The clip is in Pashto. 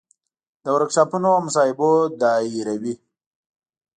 د ورکشاپونو او مصاحبو دایروي.